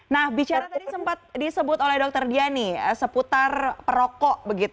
nah bicara tadi sempat disebut oleh dokter diani seputar perokok